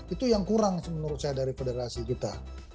itu yang kurang menurut saya dari federasi kita